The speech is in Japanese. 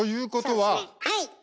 はい！